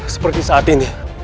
seperti saat ini